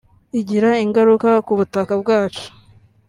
igira ingaruka k’ubutaka bwacu